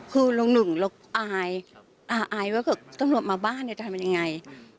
คือเราก็หนึ่งเราก็อายอายไว้ก็ต้องลดมาบ้านเนี่ยทำยังไง